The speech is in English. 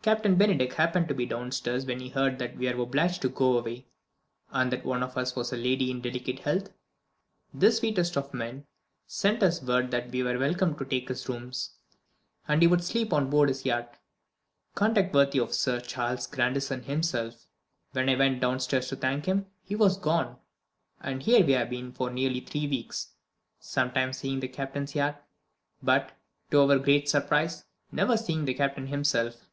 Captain Bennydeck happened to be downstairs when he heard that we were obliged to go away, and that one of us was a lady in delicate health. This sweetest of men sent us word that we were welcome to take his rooms, and that he would sleep on board his yacht. Conduct worthy of Sir Charles Grandison himself. When I went downstairs to thank him, he was gone and here we have been for nearly three weeks; sometimes seeing the Captain's yacht, but, to our great surprise, never seeing the Captain himself."